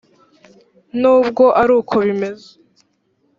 nubwo ari uko bimeze